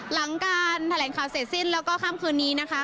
หลังการแถลงข่าวเสร็จสิ้นแล้วก็ค่ำคืนนี้นะคะ